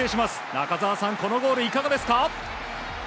中澤さん、このゴールいかがですか？